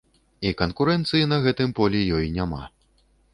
І канкурэнцыі на гэтым полі ёй няма.